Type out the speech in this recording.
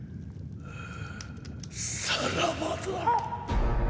さらばだ。